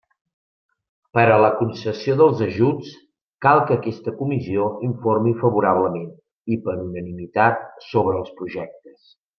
Per a la concessió dels ajuts cal que aquesta Comissió informi favorablement i per unanimitat sobre els projectes.